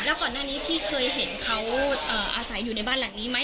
แล้วก่อนหน้านี้พี่เคยเห็นเขาอาศัยอยู่ในบ้านหลังนี้ไหม